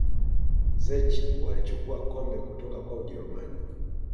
czech walichukua kombe kutoka kwa ujerumani